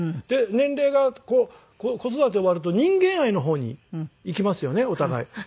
で年齢がこう子育て終わると人間愛の方にいきますよねお互い。